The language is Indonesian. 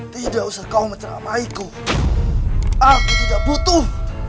tidak usah kau menceramaiku aku tidak butuh